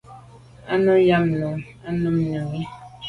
Nu nà i mi nu a num i mi.